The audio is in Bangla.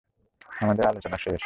আমাদের আলোচনা শেষ।